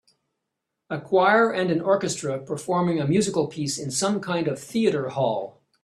A choir and an orchestra performing a musical piece in some kind of theater hall